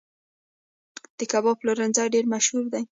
د کباب پلورنځي ډیر مشهور دي